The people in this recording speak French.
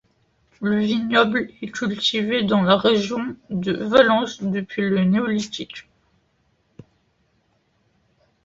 Le vignoble est cultivé dans la région de Valence depuis le Néolithique.